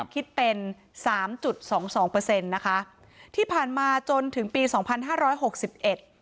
คิดเป็นสามจุดสองสองเปอร์เซ็นต์นะคะที่ผ่านมาจนถึงปีสองพันห้าร้อยหกสิบเอ็ด